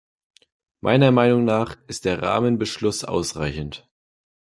Meiner Meinung nach ist der Rahmenbeschluss ausreichend.